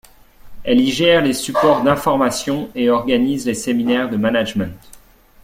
Elle y gère les supports d’information et organise les séminaires de management.